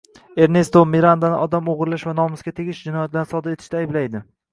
Ernesto Mirandani odam o‘g‘irlash va nomusga tegish jinoyatlarini sodir etishda ayblaydi.